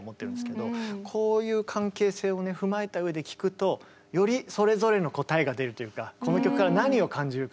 こういう関係性を踏まえた上で聴くとよりそれぞれの答えが出るというかこの曲から何を感じるか。